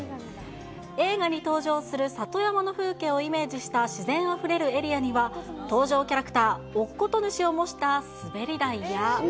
映画に登場する里山の風景をイメージした自然あふれるエリアには、登場キャラクター、乙事主を模した滑り台や。